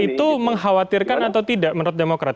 itu mengkhawatirkan atau tidak menurut demokrat